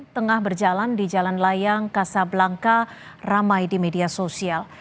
tengah berjalan di jalan layang kasablangka ramai di media sosial